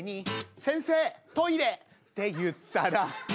「先生トイレ！」って言ったら。